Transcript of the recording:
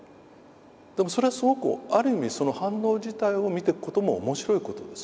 でもそれはすごくある意味その反応自体を見ていくことも面白いことです。